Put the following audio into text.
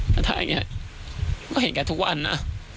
ก็ถ่ายอย่างนี้ก็เห็นแกทุกวันนะ